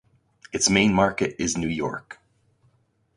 Its main market is New York.